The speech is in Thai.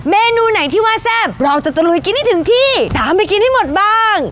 เมนูไหนที่ว่าแซ่บเราจะตะลุยกินให้ถึงที่ตามไปกินให้หมดบ้าง